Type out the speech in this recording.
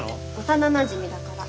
幼なじみだから。